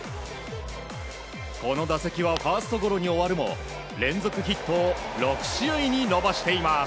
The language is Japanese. この打席はファーストゴロに終わるも連続ヒットを６試合に伸ばしています。